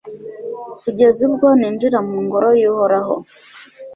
kugeza ubwo ninjira mu ngoro y'uhoraho